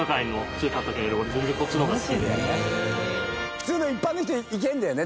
普通の一般の人行けるんだよね